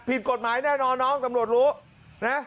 ผิดกฎหมายแน่นอนน้องตำรวจรู้นะ